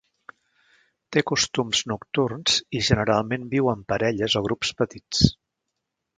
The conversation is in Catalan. Té costums nocturns i generalment viu en parelles o grups petits.